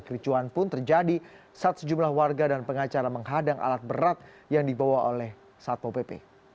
kericuan pun terjadi saat sejumlah warga dan pengacara menghadang alat berat yang dibawa oleh satpo pp